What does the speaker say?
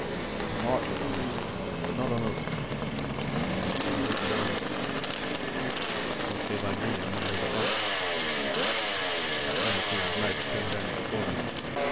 The mark was on him, but not on us. I couldn't meet his eyes. "O.K. by me," I mumbled at last. I saw MacReidie's mouth turn down at the corners.